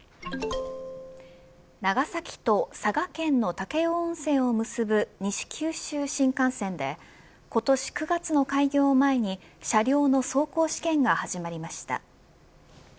長崎と佐賀県の武雄温泉を結ぶ西九州新幹線で今年９月の開業を前に車両の走行試験が始まりました。